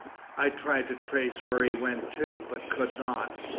I tried to trace where he went to, but could not.